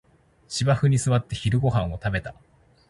芝生に座って昼ごはんを食べた